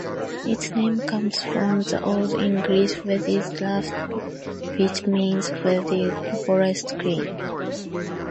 Its name comes from the Old English "Wadde's Leah", which means 'Wadde's forest clearing'.